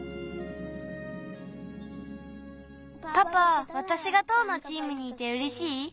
パパわたしが塔のチームにいてうれしい？